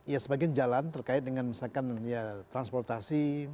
ya sebagian jalan terkait dengan misalkan ya transportasi